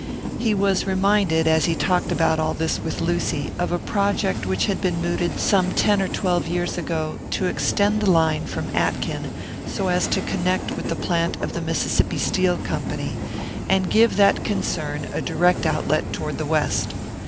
He was reminded, as he talked about all this with Lucy, of a project which had been mooted some ten or twelve years ago, to extend the line from Atkin so as to connect with the plant of the Mississippi Steel Company, and give that concern a direct outlet toward the west.